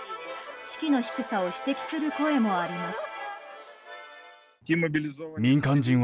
士気の低さを指摘する声もあります。